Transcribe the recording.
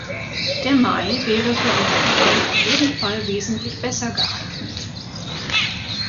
Der Mai wäre für Europawahlen auf jeden Fall wesentlich besser geeignet.